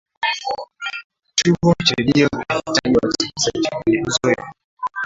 kituo cha redio kinahitaji watangazaji wenye uzoefu